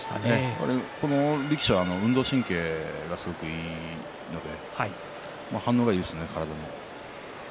この力士は運動神経がすごくいいので反応がいいですね、体の。